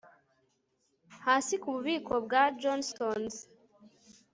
hasi kububiko bwa johnstons